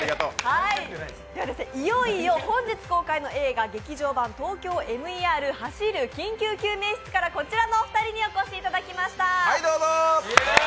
いよいよ本日公開の映画、「劇場版ＴＯＫＹＯＭＥＲ走る緊急救命室」からこちらのお二人にお越しいただきました。